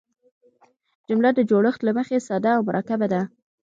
جمله د جوړښت له مخه ساده او مرکبه ده.